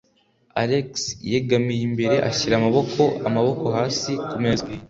Alex yegamiye imbere ashyira amaboko, amaboko hasi, ku meza.